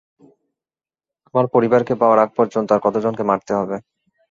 আমার পরিবারকে পাওয়ার আগ পর্যন্ত আর কতজনকে মারতে হবে?